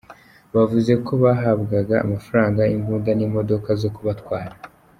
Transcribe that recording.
Bavuze ko bahabwaga amafaranga, imbunda n’imodoka zo kubatwara.